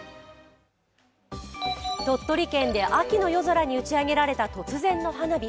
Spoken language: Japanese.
鳥取県で秋の夜空に打ち上げられた突然の花火。